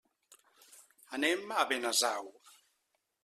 Anem a Benasau.